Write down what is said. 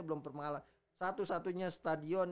belum permakalan satu satunya stadion